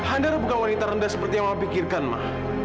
andara bukan wanita rendah seperti yang mama pikirkan ma